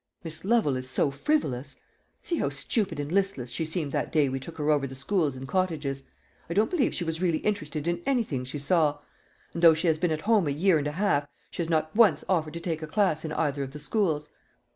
Miss Lovel is so frivolous. See how stupid and listless she seemed that day we took her over the schools and cottages. I don't believe she was really interested in anything she saw. And, though she has been at home a year and a half, she has not once offered to take a class in either of the schools."